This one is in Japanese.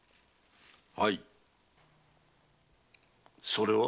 それは？